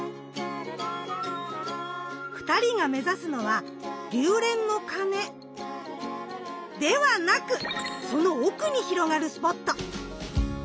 ２人が目指すのは龍恋の鐘ではなくその奥に広がるスポット。